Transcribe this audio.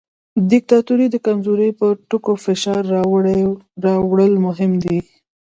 د دیکتاتورۍ د کمزورۍ پر ټکو فشار راوړل مهم دي.